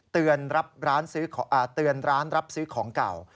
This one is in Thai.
เตือนร้านรับซื้อของเก่า